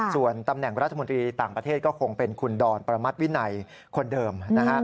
ส่วนตำแหน่งรัฐมนตรีต่างประเทศก็คงเป็นคุณดอนประมัติวินัยคนเดิม